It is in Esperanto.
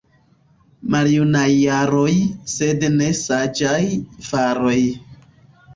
Maljunaj jaroj, sed ne saĝaj faroj.